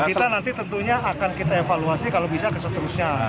kita nanti tentunya akan kita evaluasi kalau bisa seterusnya